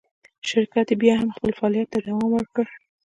شرکت یې بیا هم خپل فعالیت ته دوام ورکړ.